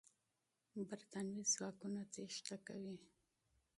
برتانوي ځواکونه تېښته کوي.